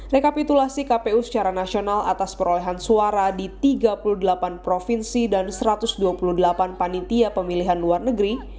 rekapitulasi kpu secara nasional atas perolehan suara di tiga puluh delapan provinsi dan satu ratus dua puluh delapan panitia pemilihan luar negeri